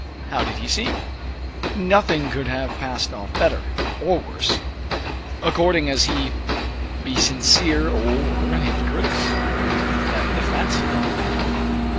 "How did he seem?" "Nothing could have passed off better, or worse; according as he be sincere or hypocritical." "And the _fete?